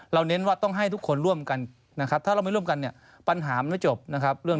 คนผิดก็ไม่ถูกจัดการเพราะไม่มีคนแจ้ง